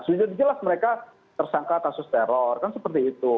sudah jelas mereka tersangka kasus teror kan seperti itu